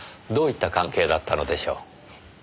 どういった関係だったのでしょう？